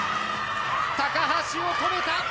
高橋を止めた！